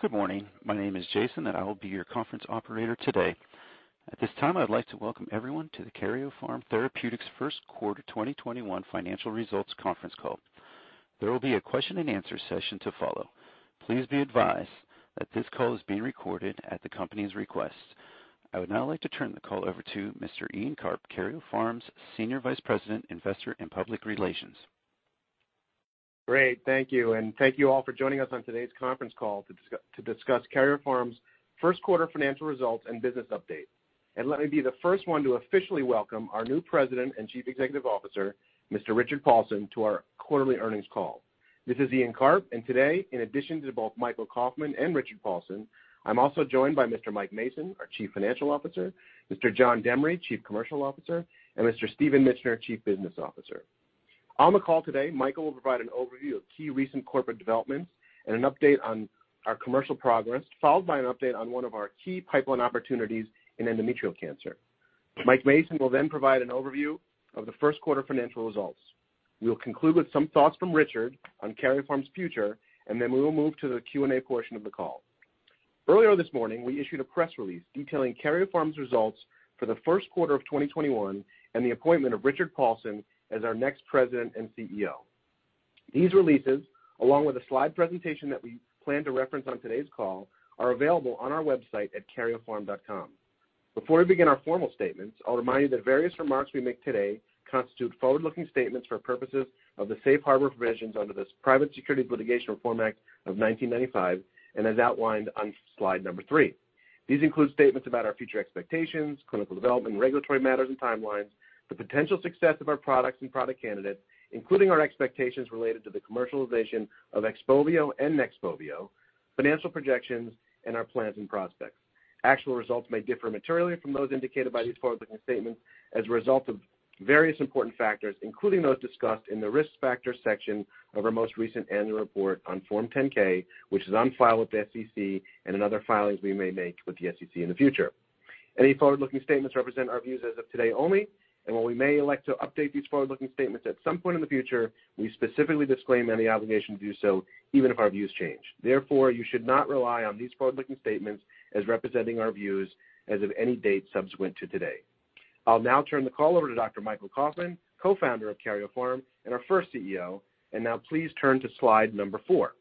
Good morning. My name is Jason. I will be your conference operator today. At this time, I'd like to welcome everyone to the Karyopharm Therapeutics first quarter 2021 financial results conference call. There will be a question and answer session to follow. Please be advised that this call is being recorded at the company's request. I would now like to turn the call over to Mr. Ian Karp, Karyopharm's Senior Vice President, Investor and Public Relations. Great. Thank you, thank you all for joining us on today's conference call to discuss Karyopharm's first quarter financial results and business update. Let me be the first one to officially welcome our new President and Chief Executive Officer, Mr. Richard Paulson, to our quarterly earnings call. This is Ian Karp. Today, in addition to both Michael Kauffman and Richard Paulson, I'm also joined by Mr. Mike Mason, our Chief Financial Officer, Mr. John Demaree, Chief Commercial Officer, and Mr. Stephen Mitchener, Chief Business Officer. On the call today, Michael will provide an overview of key recent corporate developments and an update on our commercial progress, followed by an update on one of our key pipeline opportunities in endometrial cancer. Mike Mason will provide an overview of the first quarter financial results. We will conclude with some thoughts from Richard Paulson on Karyopharm Therapeutics's future, and then we will move to the Q&A portion of the call. Earlier this morning, we issued a press release detailing Karyopharm Therapeutics's results for the first quarter of 2021 and the appointment of Richard Paulson as our next President and CEO. These releases, along with a slide presentation that we plan to reference on today's call, are available on our website at karyopharm.com. Before we begin our formal statements, I'll remind you that various remarks we make today constitute forward-looking statements for purposes of the safe harbor provisions under this Private Securities Litigation Reform Act of 1995 and as outlined on slide number three. These include statements about our future expectations, clinical development, regulatory matters, and timelines, the potential success of our products and product candidates, including our expectations related to the commercialization of XPOVIO and NEXPOVIO, financial projections, and our plans and prospects. Actual results may differ materially from those indicated by these forward-looking statements as a result of various important factors, including those discussed in the Risk Factors section of our most recent annual report on Form 10-K, which is on file with the SEC and in other filings we may make with the SEC in the future. Any forward-looking statements represent our views as of today only, and while we may elect to update these forward-looking statements at some point in the future, we specifically disclaim any obligation to do so, even if our views change. Therefore, you should not rely on these forward-looking statements as representing our views as of any date subsequent to today. I will now turn the call over to Michael Kauffman, co-founder of Karyopharm and our first CEO. Now please turn to slide number four.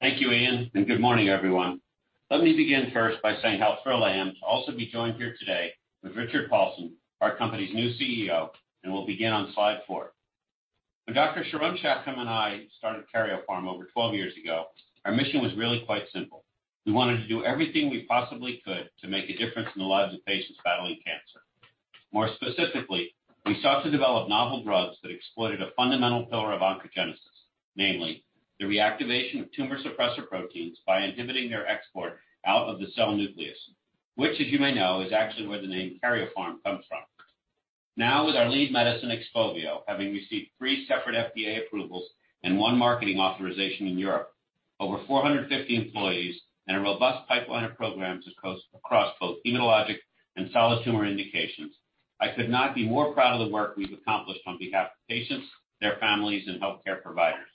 Thank you, Ian. Good morning, everyone. Let me begin first by saying how thrilled I am to also be joined here today with Richard Paulson, our company's new CEO, and we'll begin on slide four. When Dr. Sharon Shacham and I started Karyopharm over 12 years ago, our mission was really quite simple. We wanted to do everything we possibly could to make a difference in the lives of patients battling cancer. More specifically, we sought to develop novel drugs that exploited a fundamental pillar of oncogenesis, namely, the reactivation of tumor suppressor proteins by inhibiting their export out of the cell nucleus, which, as you may know, is actually where the name Karyopharm comes from. With our lead medicine, XPOVIO, having received three separate FDA approvals and one marketing authorization in Europe, over 450 employees, and a robust pipeline of programs across both hematologic and solid tumor indications, I could not be more proud of the work we've accomplished on behalf of patients, their families, and healthcare providers.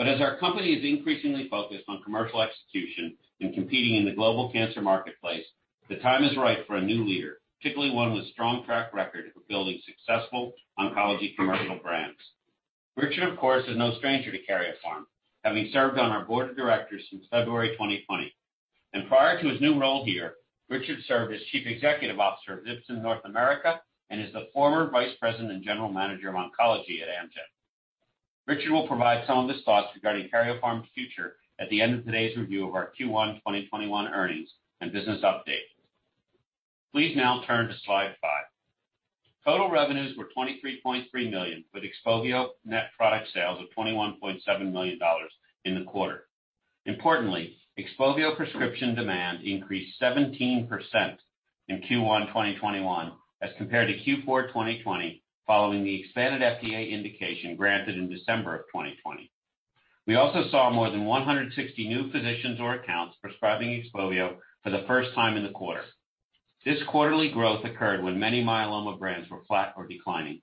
As our company is increasingly focused on commercial execution and competing in the global cancer marketplace, the time is right for a new leader, particularly one with a strong track record of building successful oncology commercial brands. Richard, of course, is no stranger to Karyopharm, having served on our board of directors since February 2020. Prior to his new role here, Richard served as Chief Executive Officer of Ipsen North America and is the former Vice President and General Manager of Oncology at Amgen. Richard will provide some of his thoughts regarding Karyopharm's future at the end of today's review of our Q1 2021 earnings and business update. Please now turn to slide five. Total revenues were $23.3 million, with XPOVIO net product sales of $21.7 million in the quarter. Importantly, XPOVIO prescription demand increased 17% in Q1 2021 as compared to Q4 2020, following the expanded FDA indication granted in December of 2020. We also saw more than 160 new physicians or accounts prescribing XPOVIO for the first time in the quarter. This quarterly growth occurred when many myeloma brands were flat or declining.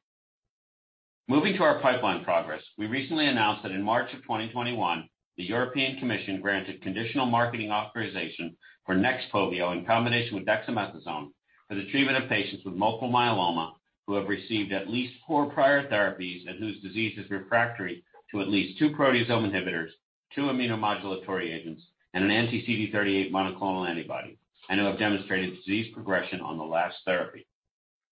Moving to our pipeline progress. We recently announced that in March of 2021, the European Commission granted conditional marketing authorization for NEXPOVIO in combination with dexamethasone for the treatment of patients with multiple myeloma who have received at least four prior therapies and whose disease is refractory to at least two proteasome inhibitors, two immunomodulatory agents, and an anti-CD38 monoclonal antibody, and who have demonstrated disease progression on the last therapy.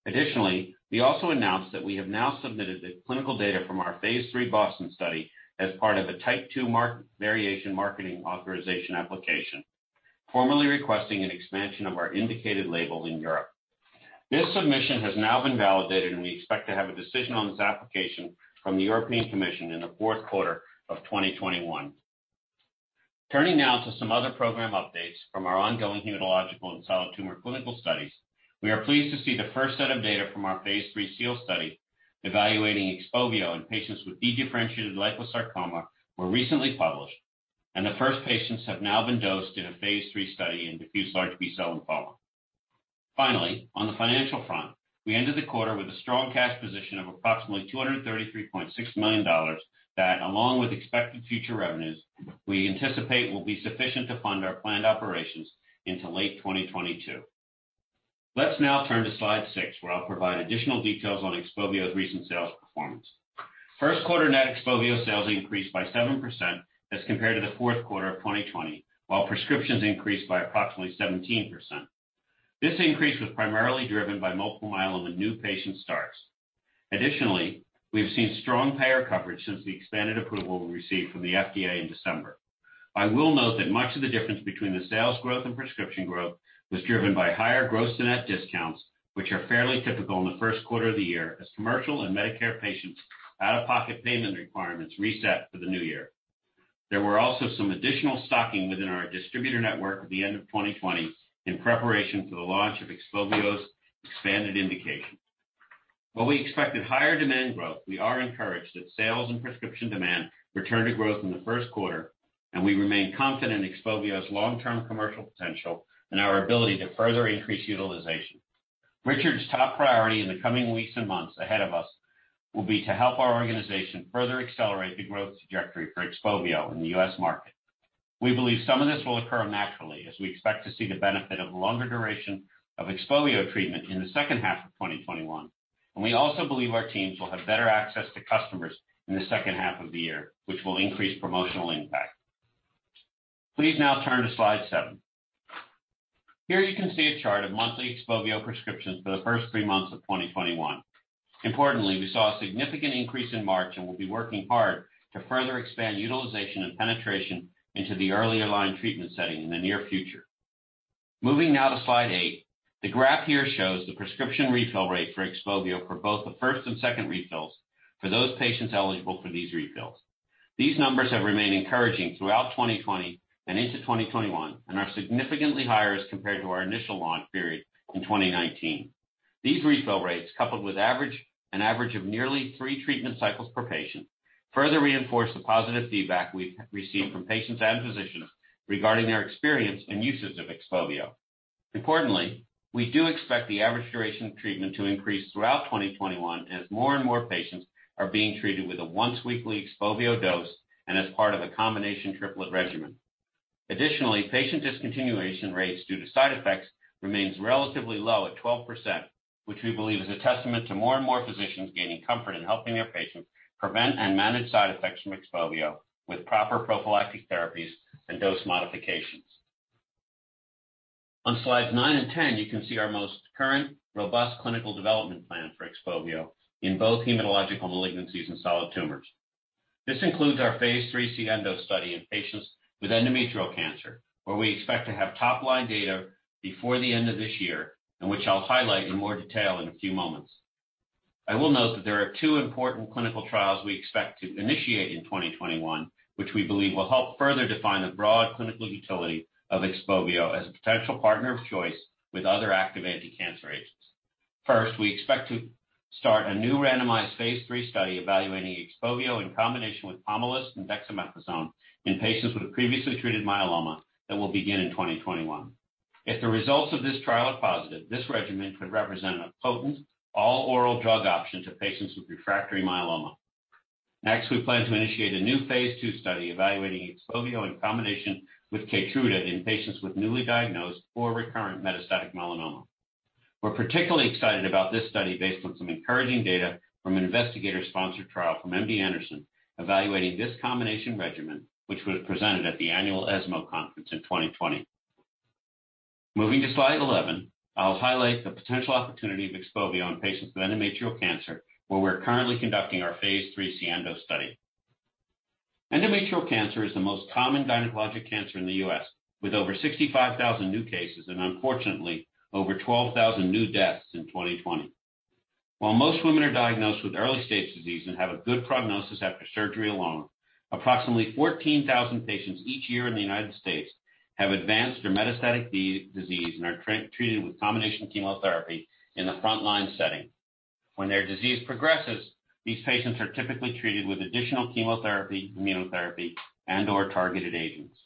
Additionally, we also announced that we have now submitted the clinical data from our phase III BOSTON study as part of a Type II variation marketing authorization application, formally requesting an expansion of our indicated label in Europe. This submission has now been validated, and we expect to have a decision on this application from the European Commission in the fourth quarter of 2021. Turning now to some other program updates from our ongoing hematological and solid tumor clinical studies. We are pleased to see the first set of data from our phase III SIENDO study evaluating XPOVIO in patients with differentiated liposarcoma were recently published, and the first patients have now been dosed in a phase III study in diffuse large B-cell lymphoma. On the financial front, we ended the quarter with a strong cash position of approximately $233.6 million that, along with expected future revenues, we anticipate will be sufficient to fund our planned operations into late 2022. Let's now turn to slide six, where I'll provide additional details on XPOVIO's recent sales performance. First quarter net XPOVIO sales increased by 7% as compared to the fourth quarter of 2020, while prescriptions increased by approximately 17%. This increase was primarily driven by multiple myeloma new patient starts. We have seen strong payer coverage since the expanded approval we received from the FDA in December. I will note that much of the difference between the sales growth and prescription growth was driven by higher gross to net discounts, which are fairly typical in the first quarter of the year as commercial and Medicare patients' out-of-pocket payment requirements reset for the new year. There were also some additional stocking within our distributor network at the end of 2020 in preparation for the launch of XPOVIO's expanded indication. While we expected higher demand growth, we are encouraged that sales and prescription demand returned to growth in the first quarter, and we remain confident in XPOVIO's long-term commercial potential and our ability to further increase utilization. Richard's top priority in the coming weeks and months ahead of us will be to help our organization further accelerate the growth trajectory for XPOVIO in the U.S. market. We believe some of this will occur naturally as we expect to see the benefit of longer duration of XPOVIO treatment in the second half of 2021. We also believe our teams will have better access to customers in the second half of the year, which will increase promotional impact. Please now turn to slide seven. Here you can see a chart of monthly XPOVIO prescriptions for the first three months of 2021. Importantly, we saw a significant increase in March. We'll be working hard to further expand utilization and penetration into the earlier line treatment setting in the near future. Moving now to slide eight. The graph here shows the prescription refill rate for XPOVIO for both the first and second refills for those patients eligible for these refills. These numbers have remained encouraging throughout 2020 and into 2021 and are significantly higher as compared to our initial launch period in 2019. These refill rates, coupled with an average of nearly three treatment cycles per patient, further reinforce the positive feedback we've received from patients and physicians regarding their experience and uses of XPOVIO. Importantly, we do expect the average duration of treatment to increase throughout 2021 as more and more patients are being treated with a once-weekly XPOVIO dose and as part of a combination triplet regimen. Additionally, patient discontinuation rates due to side effects remains relatively low at 12%, which we believe is a testament to more and more physicians gaining comfort in helping their patients prevent and manage side effects from XPOVIO with proper prophylactic therapies and dose modifications. On slides nine and 10, you can see our most current, robust clinical development plan for XPOVIO in both hematological malignancies and solid tumors. This includes our phase III SIENDO study in patients with endometrial cancer, where we expect to have top-line data before the end of this year, and which I'll highlight in more detail in a few moments. I will note that there are two important clinical trials we expect to initiate in 2021, which we believe will help further define the broad clinical utility of XPOVIO as a potential partner of choice with other active anti-cancer agents. First, we expect to start a new randomized phase III study evaluating XPOVIO in combination with pomalidomide and dexamethasone in patients with a previously treated myeloma that will begin in 2021. If the results of this trial are positive, this regimen could represent a potent all-oral drug option to patients with refractory myeloma. We plan to initiate a new phase II study evaluating XPOVIO in combination with KEYTRUDA in patients with newly diagnosed or recurrent metastatic melanoma. We're particularly excited about this study based on some encouraging data from an investigator-sponsored trial from MD Anderson evaluating this combination regimen, which was presented at the annual ESMO conference in 2020. Moving to slide 11, I'll highlight the potential opportunity of XPOVIO in patients with endometrial cancer, where we're currently conducting our phase III SIENDO study. Endometrial cancer is the most common gynecologic cancer in the U.S., with over 65,000 new cases and unfortunately, over 12,000 new deaths in 2020. While most women are diagnosed with early-stage disease and have a good prognosis after surgery alone, approximately 14,000 patients each year in the United States have advanced or metastatic disease and are treated with combination chemotherapy in the frontline setting. When their disease progresses, these patients are typically treated with additional chemotherapy, immunotherapy, and/or targeted agents.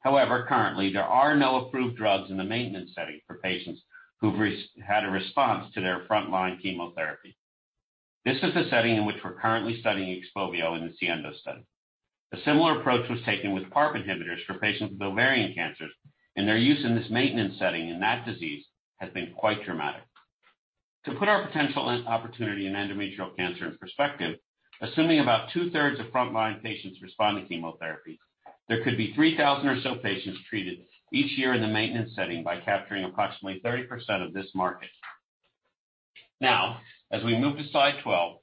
However, currently, there are no approved drugs in the maintenance setting for patients who've had a response to their frontline chemotherapy. This is the setting in which we're currently studying XPOVIO in the SIENDO study. A similar approach was taken with PARP inhibitors for patients with ovarian cancers, and their use in this maintenance setting in that disease has been quite dramatic. To put our potential opportunity in endometrial cancer in perspective, assuming about two-thirds of frontline patients respond to chemotherapy, there could be 3,000 or so patients treated each year in the maintenance setting by capturing approximately 30% of this market. As we move to slide 12,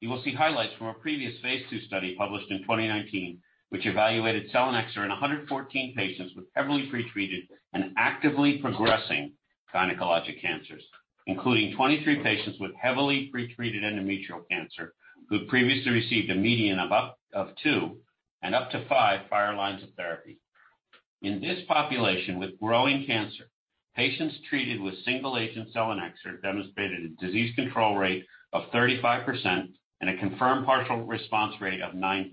you will see highlights from our previous phase II study published in 2019, which evaluated selinexor in 114 patients with heavily pretreated and actively progressing gynecologic cancers, including 23 patients with heavily pretreated endometrial cancer who had previously received a median of two and up to five prior lines of therapy. In this population with growing cancer, patients treated with single-agent selinexor demonstrated a disease control rate of 35% and a confirmed partial response rate of 9%.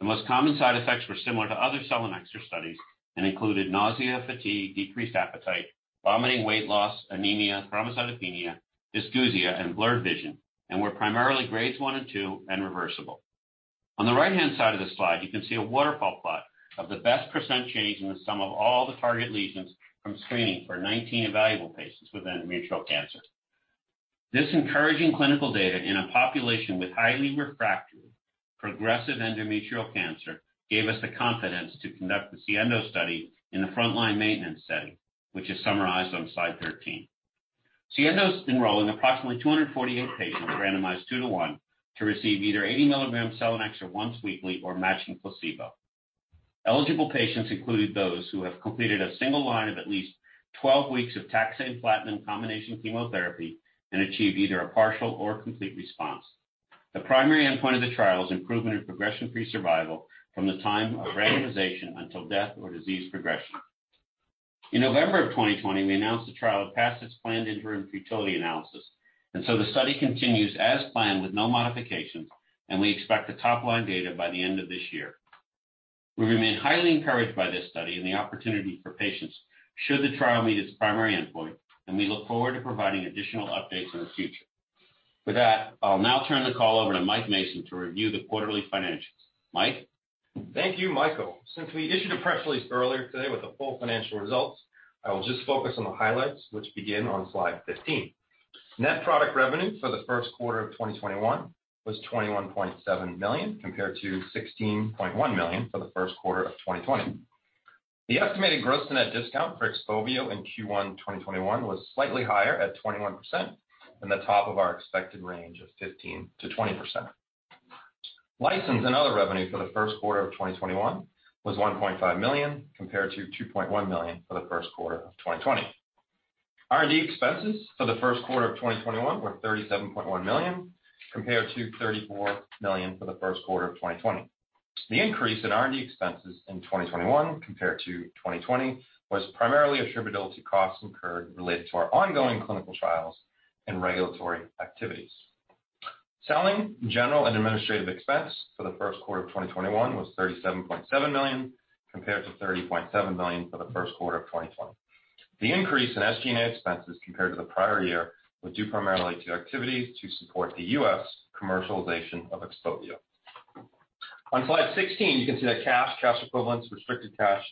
The most common side effects were similar to other selinexor studies and included nausea, fatigue, decreased appetite, vomiting, weight loss, anemia, thrombocytopenia, dysgeusia, and blurred vision, and were primarily Grades 1 and 2 and reversible. On the right-hand side of the slide, you can see a waterfall plot of the best percent change in the sum of all the target lesions from screening for 19 evaluable patients with endometrial cancer. This encouraging clinical data in a population with highly refractory progressive endometrial cancer gave us the confidence to conduct the SIENDO study in the frontline maintenance setting, which is summarized on slide 13. SIENDO's enrolling approximately 248 patients randomized 2 to 1 to receive either 80 mg selinexor once weekly or matching placebo. Eligible patients included those who have completed a single line of at least 12 weeks of taxane platinum combination chemotherapy and achieve either a partial or complete response. The primary endpoint of the trial is improvement in progression-free survival from the time of randomization until death or disease progression. In November of 2020, we announced the trial had passed its planned interim futility analysis, and so the study continues as planned with no modifications, and we expect the top-line data by the end of this year. We remain highly encouraged by this study and the opportunity for patients should the trial meet its primary endpoint, and we look forward to providing additional updates in the future. With that, I'll now turn the call over to Mike Mason to review the quarterly financials. Mike? Thank you, Michael. Since we issued a press release earlier today with the full financial results, I will just focus on the highlights, which begin on slide 15. Net product revenue for the first quarter of 2021 was $21.7 million, compared to $16.1 million for the first quarter of 2020. The estimated gross net discount for XPOVIO in Q1 2021 was slightly higher at 21%, in the top of our expected range of 15%-20%. License and other revenue for the first quarter of 2021 was $1.5 million, compared to $2.1 million for the first quarter of 2020. R&D expenses for the first quarter of 2021 were $37.1 million, compared to $34 million for the first quarter of 2020. The increase in R&D expenses in 2021 compared to 2020 was primarily attributable to costs incurred related to our ongoing clinical trials and regulatory activities. Selling, general, and administrative expense for the first quarter of 2021 was $37.7 million, compared to $30.7 million for the first quarter of 2020. The increase in SG&A expenses compared to the prior year was due primarily to activities to support the U.S. commercialization of XPOVIO. On slide 16, you can see that cash equivalents, restricted cash,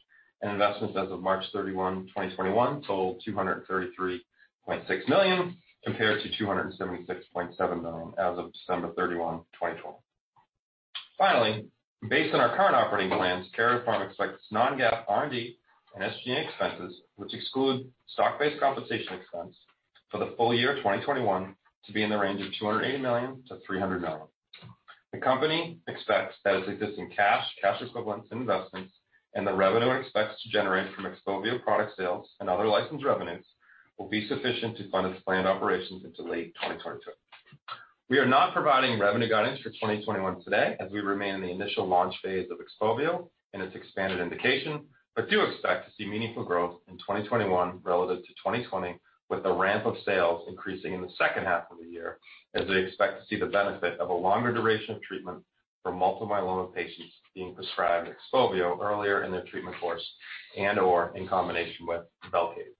and investments as of March 31st, 2021, total $233.6 million, compared to $276.7 million as of December 31st, 2020. Based on our current operating plans, Karyopharm expects non-GAAP R&D and SG&A expenses, which exclude stock-based compensation expense, for the full year 2021 to be in the range of $280 million-$300 million. The company expects that its existing cash equivalents, and investments, and the revenue it expects to generate from XPOVIO product sales and other licensed revenues will be sufficient to fund its planned operations into late 2022. We are not providing revenue guidance for 2021 today as we remain in the initial launch phase of XPOVIO and its expanded indication, but do expect to see meaningful growth in 2021 relative to 2020, with the ramp of sales increasing in the second half of the year as we expect to see the benefit of a longer duration of treatment for multiple myeloma patients being prescribed XPOVIO earlier in their treatment course and/or in combination with VELCADE.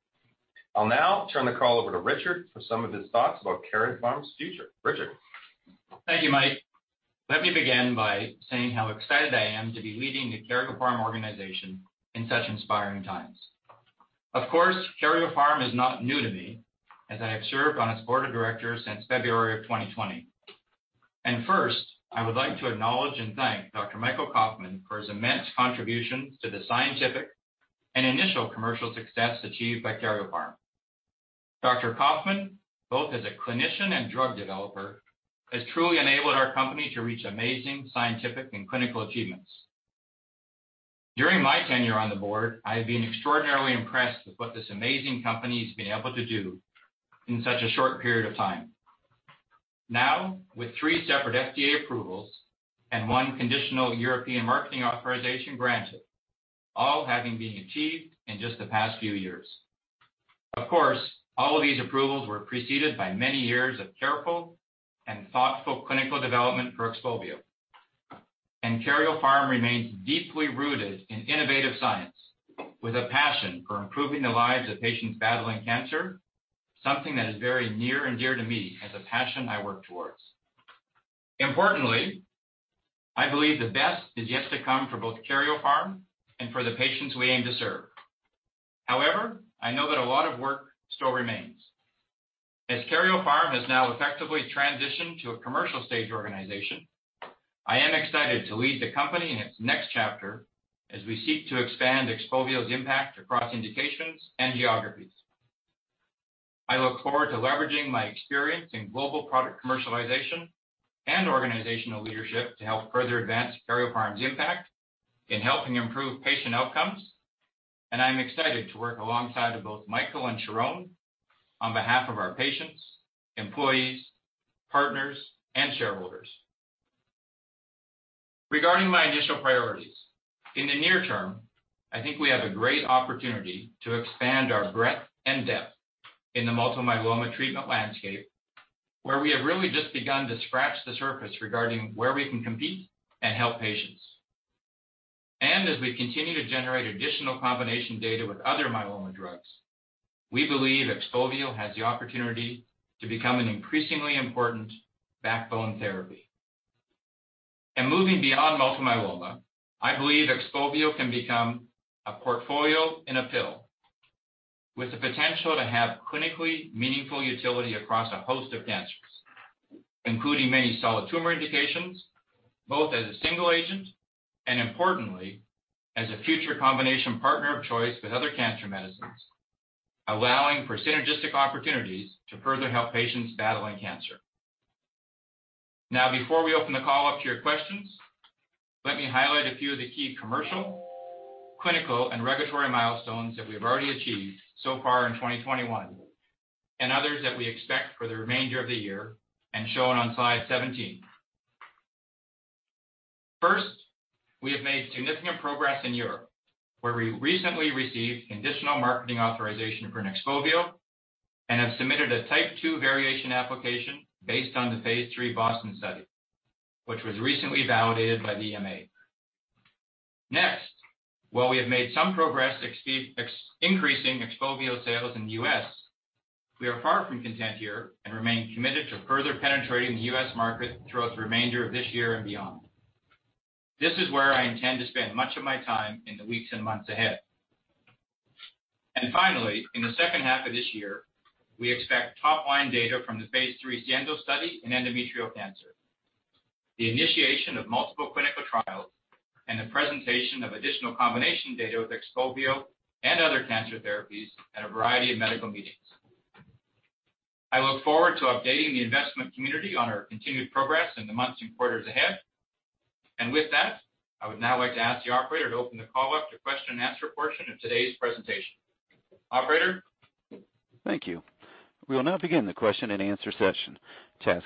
I'll now turn the call over to Richard for some of his thoughts about Karyopharm's future. Richard. Thank you, Mike. Let me begin by saying how excited I am to be leading the Karyopharm organization in such inspiring times. Of course, Karyopharm is not new to me, as I have served on its board of directors since February of 2020. First, I would like to acknowledge and thank Dr. Michael Kauffman for his immense contributions to the scientific and initial commercial success achieved by Karyopharm. Dr. Kauffman, both as a clinician and drug developer, has truly enabled our company to reach amazing scientific and clinical achievements. During my tenure on the board, I have been extraordinarily impressed with what this amazing company's been able to do in such a short period of time. Now, with three separate FDA approvals and one conditional European marketing authorization granted, all having been achieved in just the past few years. Of course, all of these approvals were preceded by many years of careful and thoughtful clinical development for XPOVIO. Karyopharm remains deeply rooted in innovative science with a passion for improving the lives of patients battling cancer, something that is very near and dear to me as a passion I work towards. Importantly, I believe the best is yet to come for both Karyopharm and for the patients we aim to serve. I know that a lot of work still remains. As Karyopharm has now effectively transitioned to a commercial stage organization, I am excited to lead the company in its next chapter as we seek to expand XPOVIO's impact across indications and geographies. I look forward to leveraging my experience in global product commercialization and organizational leadership to help further advance Karyopharm's impact in helping improve patient outcomes. I'm excited to work alongside of both Michael and Sharon on behalf of our patients, employees, partners, and shareholders. Regarding my initial priorities, in the near term, I think we have a great opportunity to expand our breadth and depth in the multiple myeloma treatment landscape, where we have really just begun to scratch the surface regarding where we can compete and help patients. As we continue to generate additional combination data with other myeloma drugs, we believe XPOVIO has the opportunity to become an increasingly important backbone therapy. Moving beyond multiple myeloma, I believe XPOVIO can become a portfolio in a pill, with the potential to have clinically meaningful utility across a host of cancers, including many solid tumor indications, both as a single agent and, importantly, as a future combination partner of choice with other cancer medicines, allowing for synergistic opportunities to further help patients battling cancer. Before we open the call up to your questions, let me highlight a few of the key commercial, clinical, and regulatory milestones that we've already achieved so far in 2021, and others that we expect for the remainder of the year, and shown on slide 17. We have made significant progress in Europe, where we recently received conditional marketing authorization for NEXPOVIO and have submitted a Type 2 variation application based on the phase III BOSTON study, which was recently validated by the EMA. Next, while we have made some progress increasing XPOVIO sales in the U.S., we are far from content here and remain committed to further penetrating the U.S. market throughout the remainder of this year and beyond. This is where I intend to spend much of my time in the weeks and months ahead. Finally, in the second half of this year, we expect top-line data from the phase III SIENDO study in endometrial cancer, the initiation of multiple clinical trials, and the presentation of additional combination data with XPOVIO and other cancer therapies at a variety of medical meetings. I look forward to updating the investment community on our continued progress in the months and quarters ahead. With that, I would now like to ask the operator to open the call up to question and answer portion of today's presentation. Operator? Thank you. We will now begin the question and answer session. Please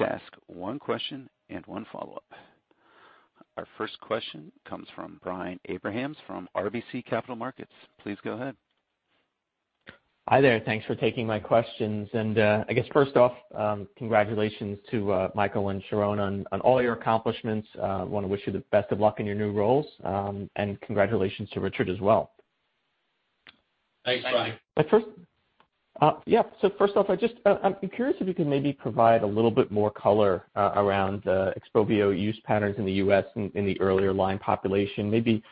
ask one question and one follow-up. Our first question comes from Brian Abrahams from RBC Capital Markets. Please go ahead. Hi there. Thanks for taking my questions. I guess first off, congratulations to Michael and Sharon on all your accomplishments. I want to wish you the best of luck in your new roles. Congratulations to Richard as well. Thanks, Brian. First off, I'm curious if you could maybe provide a little bit more color around XPOVIO use patterns in the U.S. in the earlier line population. Maybe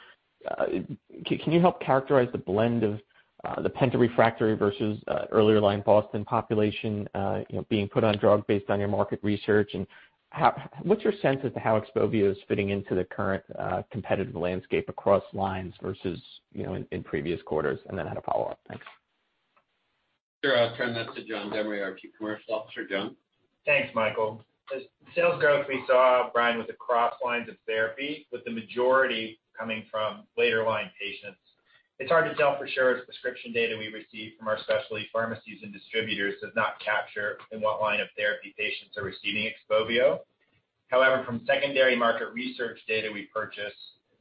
can you help characterize the blend of the penta-refractory versus earlier line BOSTON population being put on drug based on your market research, and what's your sense as to how XPOVIO is fitting into the current competitive landscape across lines versus in previous quarters? I had a follow-up. Thanks. Sure. I'll turn that to John Demaree, our Chief Commercial Officer. John? Thanks, Michael. The sales growth we saw, Brian, was across lines of therapy, with the majority coming from later line patients. It's hard to tell for sure as prescription data we receive from our specialty pharmacies and distributors does not capture in what line of therapy patients are receiving XPOVIO. However, from secondary market research data we purchase,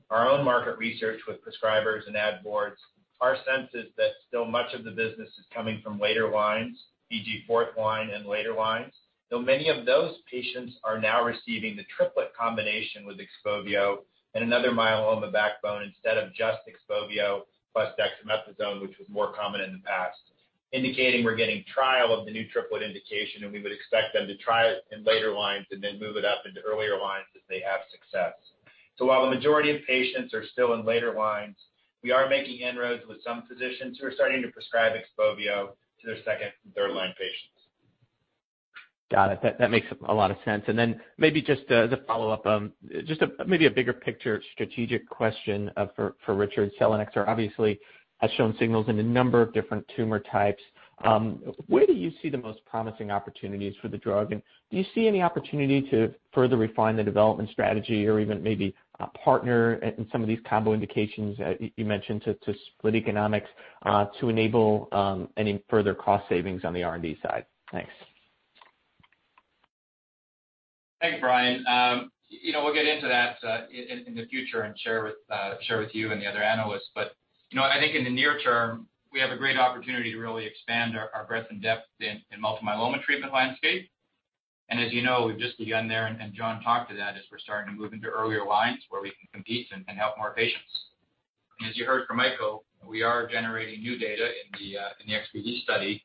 our own market research with prescribers and ad boards, our sense is that still much of the business is coming from later lines, e.g. fourth line and later lines, though many of those patients are now receiving the triplet combination with XPOVIO and another myeloma backbone instead of just XPOVIO plus dexamethasone, which was more common in the past, indicating we're getting trial of the new triplet indication, and we would expect them to try it in later lines and then move it up into earlier lines if they have success. While the majority of patients are still in later lines, we are making inroads with some physicians who are starting to prescribe XPOVIO to their second and third line patients. Got it. That makes a lot of sense. Then maybe just as a follow-up, just maybe a bigger picture strategic question for Richard. selinexor obviously has shown signals in a number of different tumor types. Where do you see the most promising opportunities for the drug? Do you see any opportunity to further refine the development strategy or even maybe a partner in some of these combo indications that you mentioned to split economics to enable any further cost savings on the R&D side? Thanks. Thanks, Brian. We'll get into that in the future and share with you and the other analysts. I think in the near term, we have a great opportunity to really expand our breadth and depth in multiple myeloma treatment landscape. As you know, we've just begun there, and John talked to that, as we're starting to move into earlier lines where we can compete and help more patients. As you heard from Michael, we are generating new data in the XPOVIO study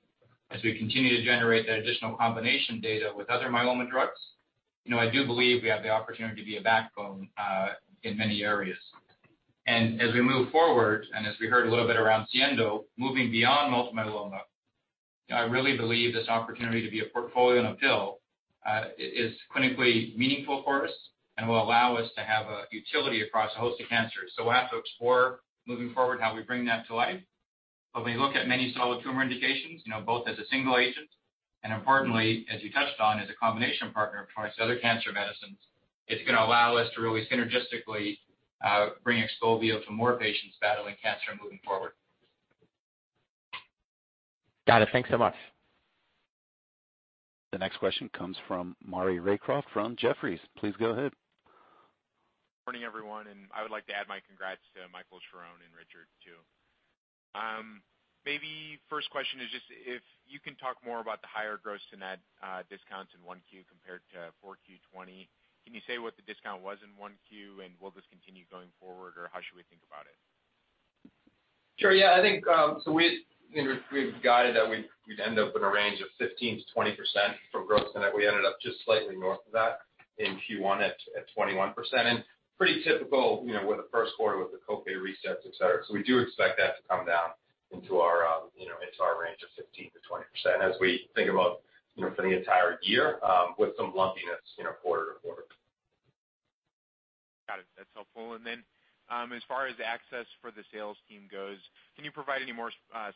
as we continue to generate that additional combination data with other myeloma drugs. I do believe we have the opportunity to be a backbone in many areas. As we move forward and as we heard a little bit around SIENDO, moving beyond multiple myeloma, I really believe this opportunity to be a portfolio in a pill is clinically meaningful for us and will allow us to have a utility across a host of cancers. We'll have to explore moving forward how we bring that to life. We look at many solid tumor indications, both as a single agent and importantly, as you touched on, as a combination partner towards other cancer medicines. It's going to allow us to really synergistically bring XPOVIO to more patients battling cancer moving forward. Got it. Thanks so much. The next question comes from Maury Raycroft from Jefferies. Please go ahead. Morning, everyone. I would like to add my congrats to Michael Kauffman, Sharon Shacham, and Richard Paulson, too. Maybe first question is just if you can talk more about the higher gross net discounts in 1Q compared to 4Q 2020. Can you say what the discount was in 1Q, and will this continue going forward, or how should we think about it? Sure. We've guided that we'd end up in a range of 15%-20% for gross net. We ended up just slightly north of that in Q1 at 21%. Pretty typical, with the first quarter with the co-pay resets, et cetera. We do expect that to come down into our range of 15%-20% as we think about for the entire year, with some lumpiness, quarter to quarter. Got it. That's helpful. As far as access for the sales team goes, can you provide any more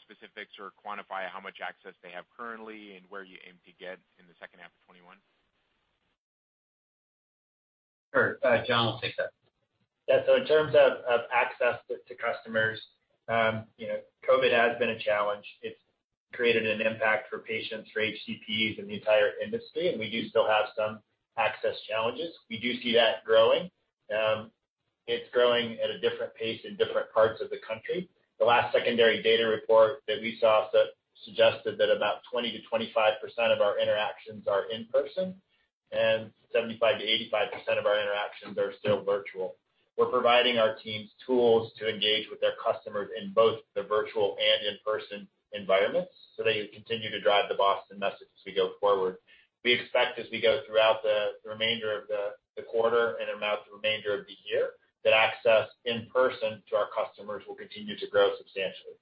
specifics or quantify how much access they have currently and where you aim to get in the second half of 2021? Sure. John will take that. In terms of access to customers, COVID has been a challenge. It's created an impact for patients, for HCPs and the entire industry, and we do still have some access challenges. We do see that growing. It's growing at a different pace in different parts of the country. The last secondary data report that we saw suggested that about 20%-25% of our interactions are in person, and 75%-85% of our interactions are still virtual. We're providing our teams tools to engage with their customers in both the virtual and in-person environments so they can continue to drive the BOSTON message as we go forward. We expect as we go throughout the remainder of the quarter and throughout the remainder of the year, that access in person to our customers will continue to grow substantially.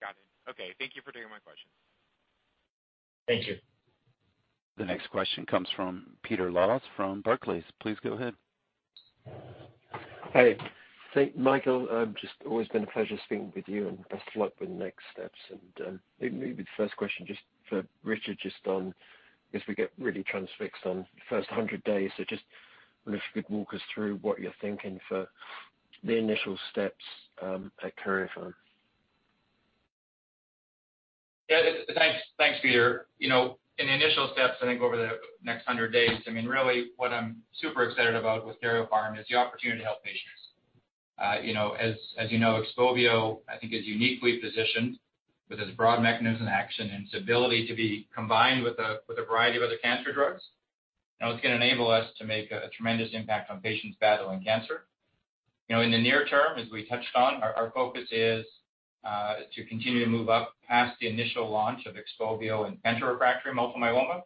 Got it. Okay. Thank you for taking my questions. Thank you. The next question comes from Peter Lawson from Barclays. Please go ahead. Hey. Michael, just always been a pleasure speaking with you, and best luck with the next steps. maybe the first question just for Richard, just on as we get really transfixed on the first 100 days, so just wonder if you could walk us through what you're thinking for the initial steps, at Karyopharm. Yeah. Thanks, Peter. In the initial steps, I think over the next 100 days, really what I'm super excited about with Karyopharm is the opportunity to help patients. As you know, XPOVIO, I think is uniquely positioned with its broad mechanism action and its ability to be combined with a variety of other cancer drugs. It's going to enable us to make a tremendous impact on patients battling cancer. In the near term, as we touched on, our focus is to continue to move up past the initial launch of XPOVIO in refractory multiple myeloma.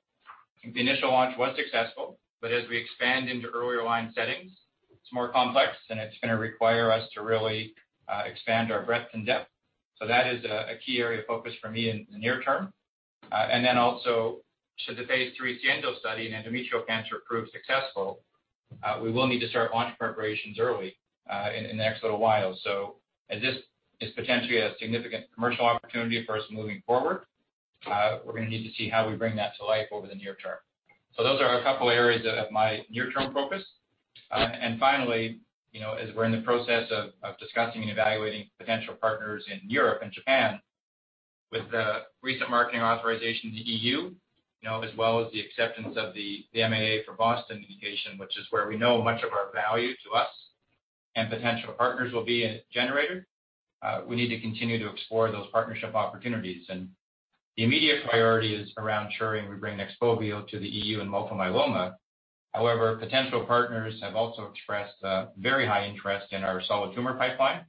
The initial launch was successful, but as we expand into earlier line settings, it's more complex, and it's going to require us to really expand our breadth and depth. That is a key area of focus for me in the near term. Should the phase III SIENDO study in endometrial cancer prove successful, we will need to start launch preparations early, in the next little while. As this is potentially a significant commercial opportunity for us moving forward, we're going to need to see how we bring that to life over the near term. Those are a couple areas of my near-term focus. Finally, as we're in the process of discussing and evaluating potential partners in Europe and Japan with the recent marketing authorization to EU, as well as the acceptance of the MAA for BOSTON indication, which is where we know much of our value to us and potential partners will be generated. We need to continue to explore those partnership opportunities, the immediate priority is around ensuring we bring XPOVIO to the EU and multiple myeloma. However, potential partners have also expressed a very high interest in our solid tumor pipeline.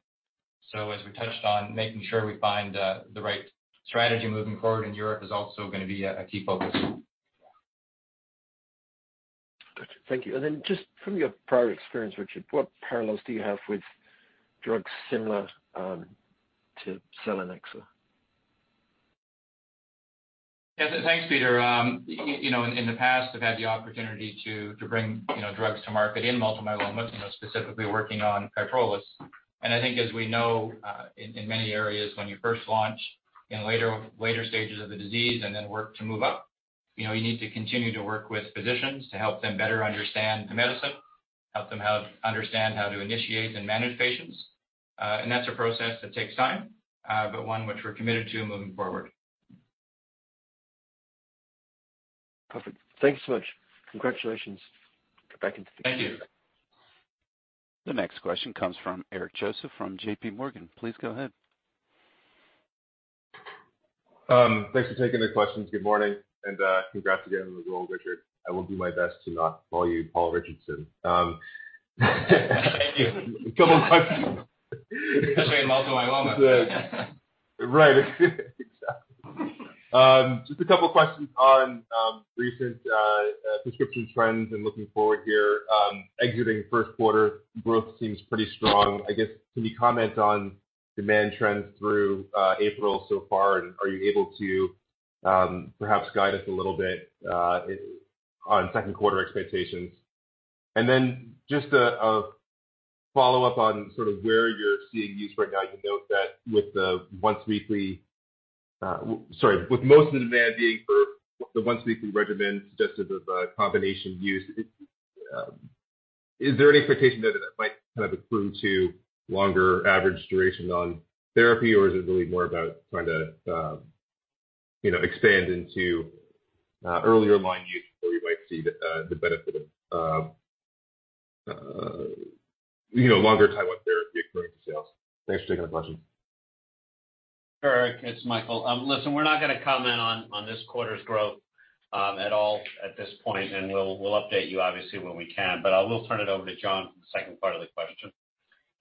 As we touched on, making sure we find the right strategy moving forward in Europe is also going to be a key focus. Got you. Thank you. Just from your prior experience, Richard, what parallels do you have with drugs similar to selinexor? Yeah. Thanks, Peter. In the past, I've had the opportunity to bring drugs to market in multiple myeloma, specifically working on KYPROLIS. I think as we know, in many areas when you first launch in later stages of the disease and then work to move up, you need to continue to work with physicians to help them better understand the medicine, help them understand how to initiate and manage patients. That's a process that takes time, but one which we're committed to moving forward. Perfect. Thanks so much. Congratulations. Go back into the thick of it. Thank you. The next question comes from Eric Joseph from JPMorgan. Please go ahead. Thanks for taking the questions. Good morning. Congrats again on the role, Richard. I will do my best to not call you Paul Richardson. Thank you. A couple of questions. Especially in multiple myeloma. Right. Exactly. Just a couple questions on recent prescription trends and looking forward here. Exiting first quarter growth seems pretty strong. I guess, can you comment on demand trends through April so far, and are you able to perhaps guide us a little bit on second quarter expectations? Just a follow-up on sort of where you're seeing use right now. You note that with the once-weekly, with most of the demand being for the once-weekly regimen suggested with combination use, is there any expectation that it might kind of accrue to longer average duration on therapy? Or is it really more about trying to expand into earlier line use where you might see the benefit of longer XPOVIO therapy accruing to sales? Thanks for taking the question. Eric, it's Michael. Listen, we're not going to comment on this quarter's growth at all at this point, and we'll update you obviously when we can. I will turn it over to John for the second part of the question.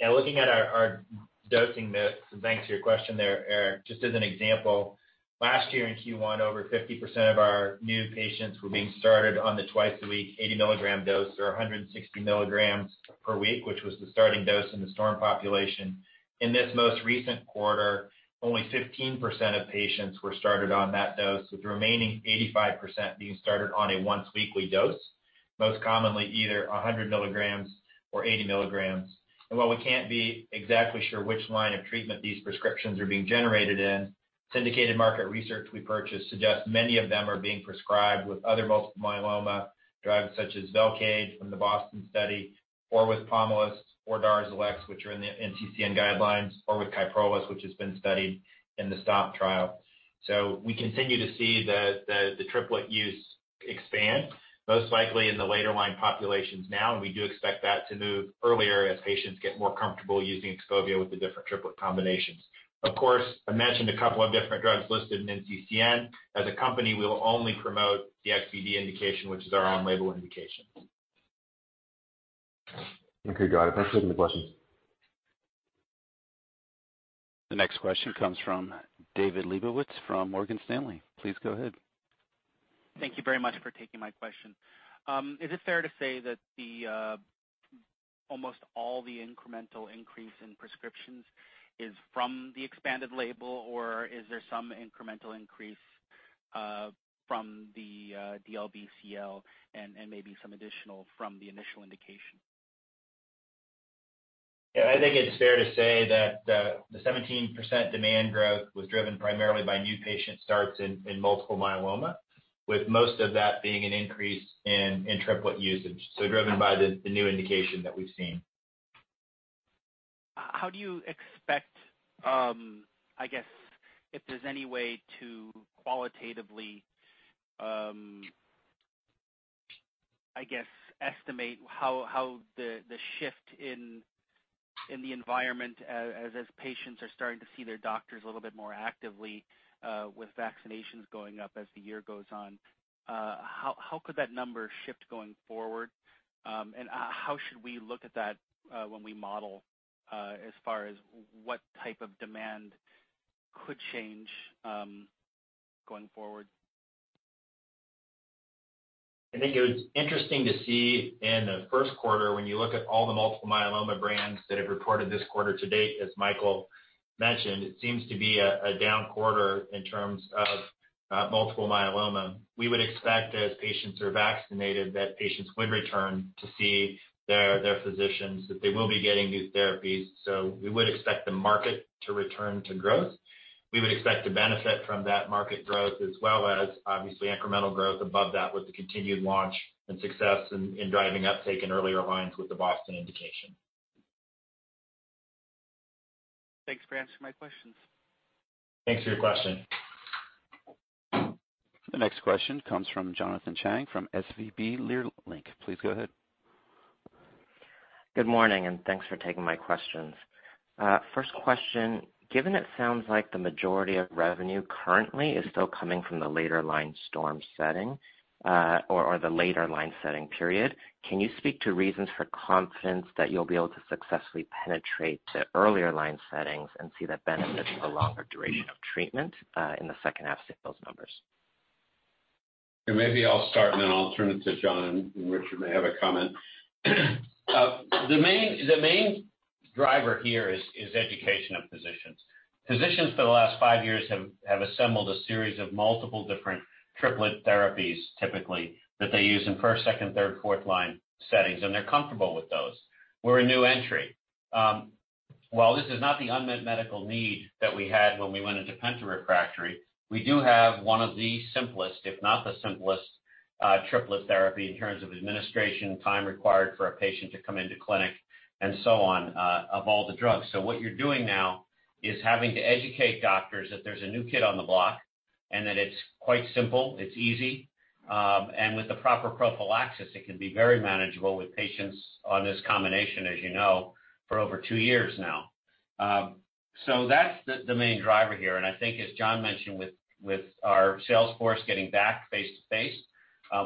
Yeah. Looking at our dosing, thanks for your question there, Eric. Just as an example, last year in Q1, over 50% of our new patients were being started on the twice a week 80 milligram dose, or 160 milligrams per week, which was the starting dose in the STORM population. In this most recent quarter, only 15% of patients were started on that dose, with the remaining 85% being started on a once weekly dose, most commonly either 100 milligrams or 80 milligrams. While we can't be exactly sure which line of treatment these prescriptions are being generated in, syndicated market research we purchased suggests many of them are being prescribed with other multiple myeloma drugs, such as VELCADE from the BOSTON Study, or with POMALYST or DARZALEX, which are in the NCCN guidelines, or with KYPROLIS, which has been studied in the STOMP trial. We continue to see the triplet use expand, most likely in the later line populations now, and we do expect that to move earlier as patients get more comfortable using XPOVIO with the different triplet combinations. Of course, I mentioned a couple of different drugs listed in NCCN. As a company, we will only promote the XVd indication, which is our own label indication. Okay, got it. Thanks for taking the questions. The next question comes from David Lebowitz from Morgan Stanley. Please go ahead. Thank you very much for taking my question. Is it fair to say that almost all the incremental increase in prescriptions is from the expanded label, or is there some incremental increase from the DLBCL and maybe some additional from the initial indication? Yeah, I think it's fair to say that the 17% demand growth was driven primarily by new patient starts in multiple myeloma, with most of that being an increase in triplet usage, so driven by the new indication that we've seen. How do you expect, I guess, if there's any way to qualitatively estimate how the shift in the environment as patients are starting to see their doctors a little bit more actively with vaccinations going up as the year goes on, how could that number shift going forward? How should we look at that when we model as far as what type of demand could change going forward? I think it was interesting to see in the first quarter, when you look at all the multiple myeloma brands that have reported this quarter to date, as Michael mentioned, it seems to be a down quarter in terms of multiple myeloma. We would expect as patients are vaccinated, that patients would return to see their physicians, that they will be getting these therapies. We would expect the market to return to growth. We would expect to benefit from that market growth as well as obviously incremental growth above that with the continued launch and success in driving uptake in earlier lines with the BOSTON indication. Thanks for answering my questions. Thanks for your question. The next question comes from Jonathan Chang from SVB Leerink. Please go ahead. Good morning. Thanks for taking my questions. First question, given it sounds like the majority of revenue currently is still coming from the later line STORM setting, or the later line setting period, can you speak to reasons for confidence that you'll be able to successfully penetrate to earlier line settings and see that benefit of a longer duration of treatment in the second half sales numbers? Maybe I'll start, and then I'll turn it to John, and Richard may have a comment. The main driver here is education of physicians. Physicians for the last five years have assembled a series of multiple different triplet therapies, typically, that they use in first, second, third, fourth line settings, and they're comfortable with those. We're a new entry. While this is not the unmet medical need that we had when we went into penta-refractory, we do have one of the simplest, if not the simplest, triplet therapy in terms of administration time required for a patient to come into clinic, and so on, of all the drugs. What you're doing now is having to educate doctors that there's a new kid on the block and that it's quite simple. It's easy. With the proper prophylaxis, it can be very manageable with patients on this combination, as you know, for over two years now. That's the main driver here, and I think as John mentioned with our sales force getting back face-to-face,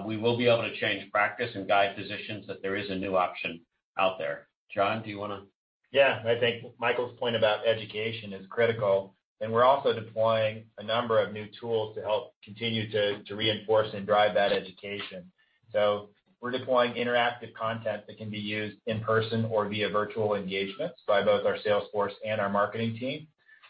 we will be able to change practice and guide physicians that there is a new option out there. John, do you want to? Yeah. I think Michael's point about education is critical, and we're also deploying a number of new tools to help continue to reinforce and drive that education. We're deploying interactive content that can be used in person or via virtual engagements by both our sales force and our marketing team.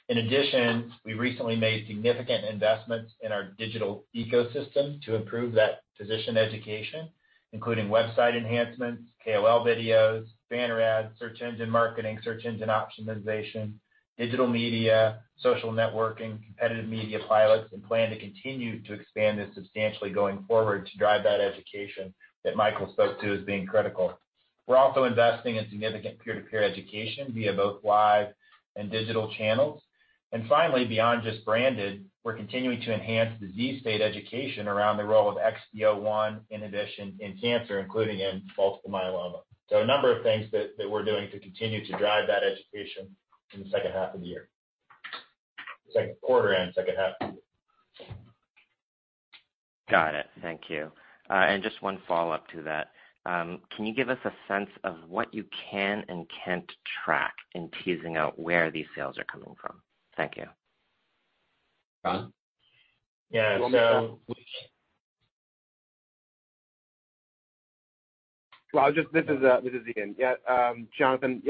In addition, we recently made significant investments in our digital ecosystem to improve that physician education, including website enhancements, KOL videos, banner ads, search engine marketing, search engine optimization, digital media, social networking, competitive media pilots, and plan to continue to expand this substantially going forward to drive that education that Michael spoke to as being critical We're also investing in significant peer-to-peer education via both live and digital channels. Finally, beyond just branded, we're continuing to enhance disease state education around the role of XPO1 inhibition in cancer, including in multiple myeloma. A number of things that we're doing to continue to drive that education in the second half of the year. Second quarter and second half. Got it. Thank you. Just one follow-up to that. Can you give us a sense of what you can and can't track in teasing out where these sales are coming from? Thank you. John? Yeah. This is Ian. Yeah, Jonathan,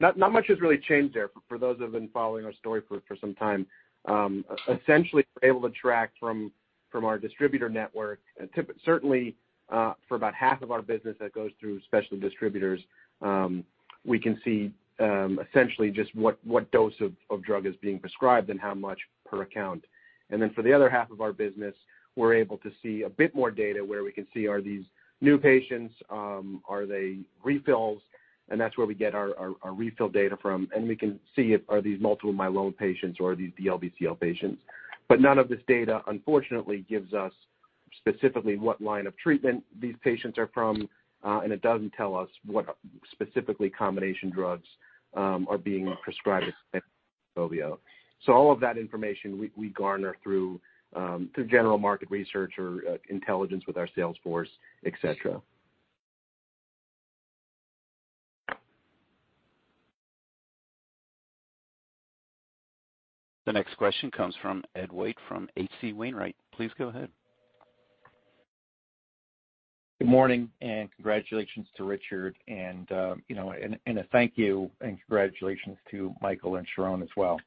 not much has really changed there, for those who have been following our story for some time. Essentially, we're able to track from our distributor network, certainly, for about half of our business that goes through specialty distributors. We can see essentially just what dose of drug is being prescribed and how much per account. Then for the other half of our business, we're able to see a bit more data where we can see, are these new patients, are they refills, and that's where we get our refill data from, and we can see are these multiple myeloma patients or are these DLBCL patients. None of this data, unfortunately, gives us specifically what line of treatment these patients are from, and it doesn't tell us what specifically combination drugs are being prescribed with XPOVIO. All of that information we garner through general market research or intelligence with our sales force, et cetera. The next question comes from Ed White from H.C. Wainwright. Please go ahead. Good morning, congratulations to Richard Paulson and a thank you and congratulations to Michael Kauffman and Sharon Shacham as well.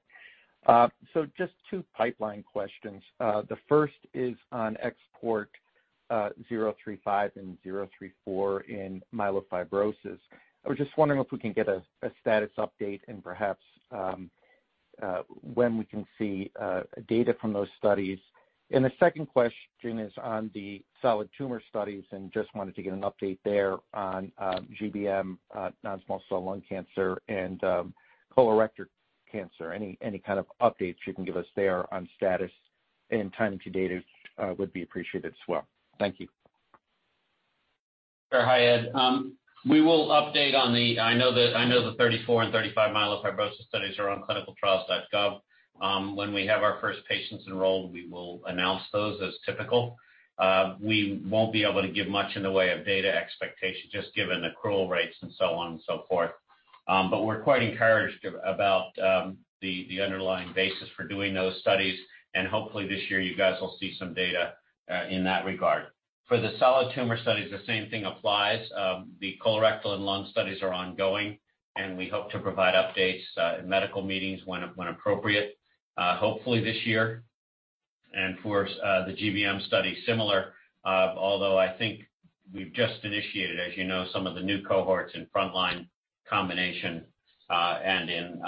Just two pipeline questions. The first is on XPORT-MF-035 and 034 in myelofibrosis. I was just wondering if we can get a status update and perhaps when we can see data from those studies. The second question is on the solid tumor studies, and just wanted to get an update there on GBM non-small cell lung cancer and colorectal cancer. Any kind of updates you can give us there on status and timing to data would be appreciated as well. Thank you. Sure. Hi, Ed. I know the 34 and 35 myelofibrosis studies are on clinicaltrials.gov. When we have our first patients enrolled, we will announce those as typical. We won't be able to give much in the way of data expectation, just given accrual rates and so on and so forth. But we're quite encouraged about the underlying basis for doing those studies, and hopefully this year you guys will see some data in that regard. For the solid tumor studies, the same thing applies. The colorectal and lung studies are ongoing, and we hope to provide updates at medical meetings when appropriate, hopefully this year. For the GBM study, similar, although I think we've just initiated, as you know, some of the new cohorts in frontline combination and in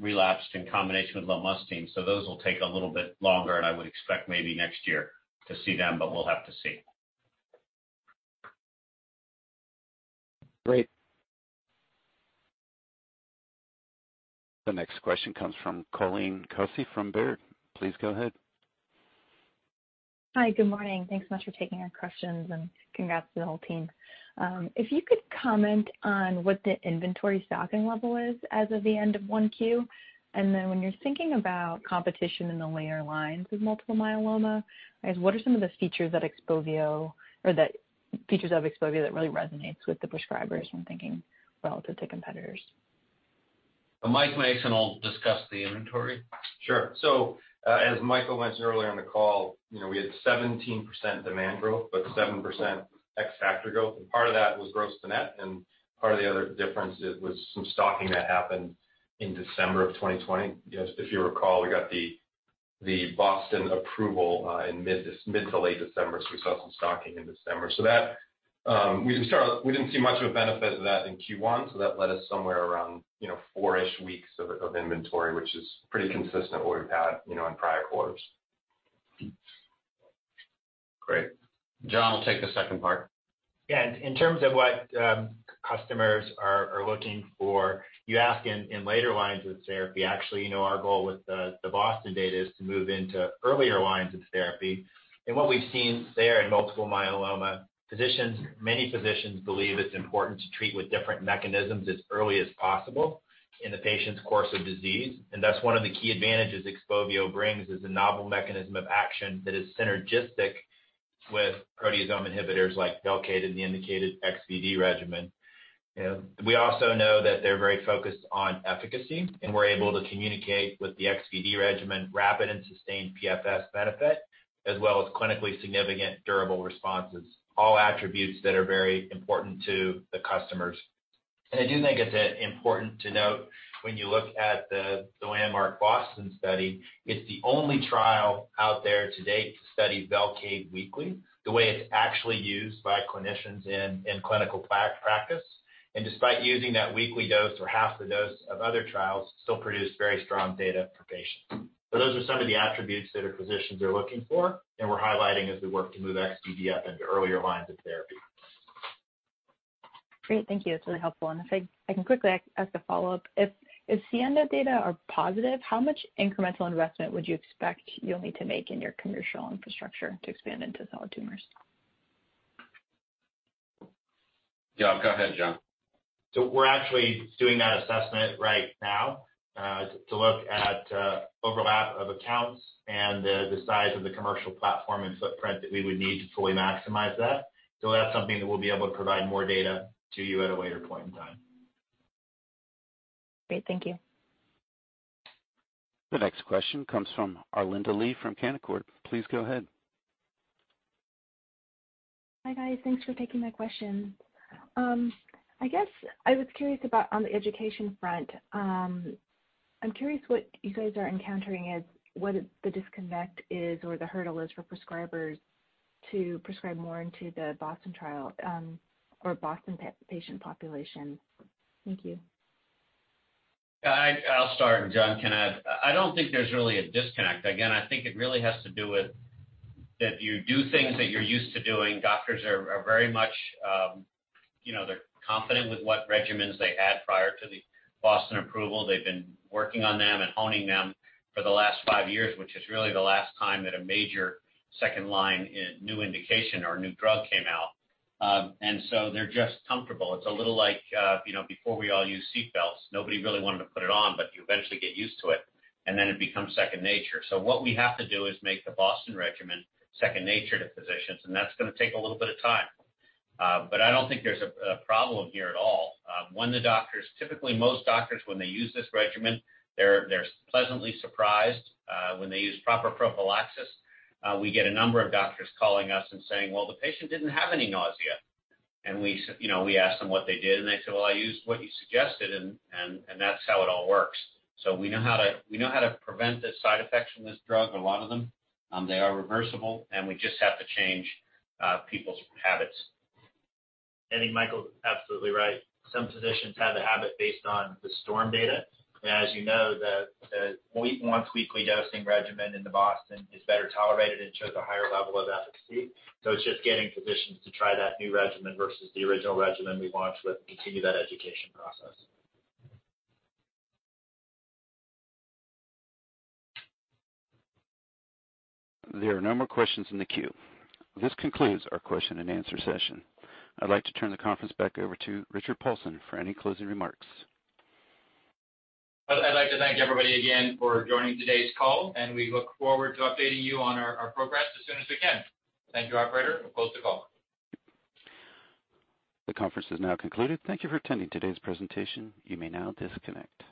relapsed in combination with lomustine. Those will take a little bit longer and I would expect maybe next year to see them, but we'll have to see. Great. The next question comes from Colleen Cossey from Baird. Please go ahead. Hi. Good morning. Thanks so much for taking our questions, and congrats to the whole team. If you could comment on what the inventory stocking level is as of the end of 1Q, and then when you're thinking about competition in the later lines with multiple myeloma, I guess, what are some of the features of XPOVIO that really resonates with the prescribers when thinking relative to competitors? Mike Mason will discuss the inventory. Sure. As Michael mentioned earlier in the call, we had 17% demand growth, but 7% ex-factory growth, and part of that was gross to net, and part of the other difference was some stocking that happened in December of 2020. If you recall, we got the BOSTON approval in mid to late December, so we saw some stocking in December. We didn't see much of a benefit of that in Q1, so that led us somewhere around four-ish weeks of inventory, which is pretty consistent with what we've had in prior quarters. Great. John will take the second part. Yeah. In terms of what customers are looking for, you ask in later lines of therapy. Actually, our goal with the BOSTON data is to move into earlier lines of therapy. What we've seen there in multiple myeloma, many physicians believe it's important to treat with different mechanisms as early as possible in the patient's course of disease. That's one of the key advantages XPOVIO brings is a novel mechanism of action that is synergistic with proteasome inhibitors like VELCADE and the indicated XVd regimen. We also know that they're very focused on efficacy, and we're able to communicate with the XVd regimen rapid and sustained PFS benefit, as well as clinically significant durable responses, all attributes that are very important to the customers. I do think it's important to note when you look at the landmark BOSTON study, it's the only trial out there to date to study VELCADE weekly, the way it's actually used by clinicians in clinical practice. Despite using that weekly dose or half the dose of other trials, still produced very strong data for patients. Those are some of the attributes that our physicians are looking for, and we're highlighting as we work to move XVd into earlier lines of therapy. Great, thank you. That's really helpful. If I can quickly ask a follow-up. If the SIENDO data are positive, how much incremental investment would you expect you'll need to make in your commercial infrastructure to expand into solid tumors? Yeah, go ahead, John. We're actually doing that assessment right now, to look at overlap of accounts and the size of the commercial platform and footprint that we would need to fully maximize that. That's something that we'll be able to provide more data to you at a later point in time. Great. Thank you. The next question comes from Arlinda Lee from Canaccord. Please go ahead. Hi, guys. Thanks for taking my question. I guess I was curious about on the education front, I'm curious what you guys are encountering as what the disconnect is or the hurdle is for prescribers to prescribe more into the BOSTON trial, or BOSTON patient population. Thank you. I'll start and John can add. I don't think there's really a disconnect. Again, I think it really has to do with that you do things that you're used to doing. Doctors are very much confident with what regimens they had prior to the BOSTON approval. They've been working on them and honing them for the last five years, which is really the last time that a major second-line new indication or new drug came out. They're just comfortable. It's a little like before we all used seat belts, nobody really wanted to put it on, but you eventually get used to it, and then it becomes second nature. What we have to do is make the BOSTON regimen second nature to physicians, and that's going to take a little bit of time. I don't think there's a problem here at all. When the doctors, typically most doctors, when they use this regimen, they're pleasantly surprised when they use proper prophylaxis. We get a number of doctors calling us and saying, "Well, the patient didn't have any nausea." We ask them what they did, and they say, "Well, I used what you suggested," and that's how it all works. We know how to prevent the side effects from this drug, a lot of them. They are reversible, and we just have to change people's habits. I think Michael is absolutely right. Some physicians have the habit based on the STORM data. As you know, the once-weekly dosing regimen in the BOSTON is better tolerated and shows a higher level of efficacy. It's just getting physicians to try that new regimen versus the original regimen we launched with, and continue that education process. There are no more questions in the queue. This concludes our question and answer session. I'd like to turn the conference back over to Richard Paulson for any closing remarks. I'd like to thank everybody again for joining today's call, and we look forward to updating you on our progress as soon as we can. Thank you, operator, we'll close the call. The conference is now concluded. Thank you for attending today's presentation. You may now disconnect.